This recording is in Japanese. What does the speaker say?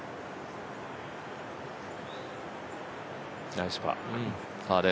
ナイスパー。